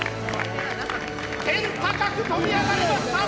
天高く跳び上がりました！